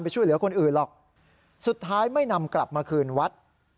ช่วยเหลือคนอื่นหรอกสุดท้ายไม่นำกลับมาคืนวัด